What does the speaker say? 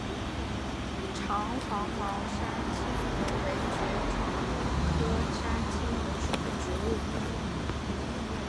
长黄毛山牵牛为爵床科山牵牛属的植物。